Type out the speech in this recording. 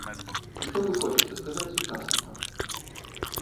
Што вы хочаце сказаць сучаснікам?